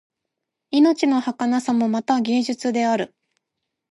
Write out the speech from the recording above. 命のはかなさもまた芸術である